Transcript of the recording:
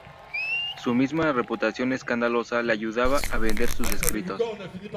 Su misma reputación escandalosa le ayudaba a vender sus escritos.